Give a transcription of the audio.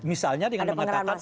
misalnya dengan mengatakan